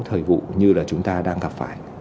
thời vụ như là chúng ta đang gặp phải